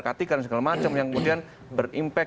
k tiga dan segala macam yang kemudian berimpak